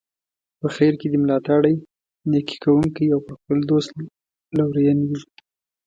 په خیر کې دي ملاتړی، نیکي کوونکی او پر خپل دوست لورین وي.